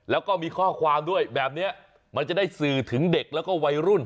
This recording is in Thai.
แล้วก็มีข้อความด้วยแบบนี้มันจะได้สื่อถึงเด็กแล้วก็วัยรุ่น